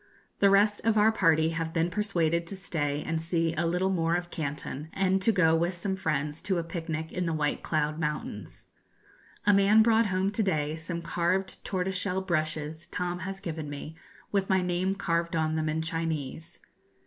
The rest of our party have been persuaded to stay and see a little more of Canton and to go with some friends to a picnic in the White Cloud Mountains. A man brought home to day some carved tortoiseshell brushes Tom has given me, with my name carved on them in Chinese.